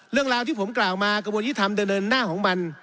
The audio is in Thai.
เรื่องราวที่ผมกล่าวมากระบวนยุทธรรมเดินหน้าของมัน